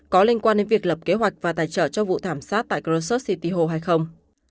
có liên quan đến việc lập kế hoạch và tài trợ cho vụ thảm sát tại krosos city ho hay không